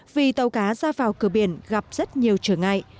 vì tàu cá ra vào cửa biển gặp rất nhiều trở ngại